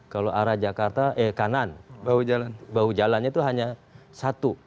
kalau arah kanan bahu jalannya itu hanya satu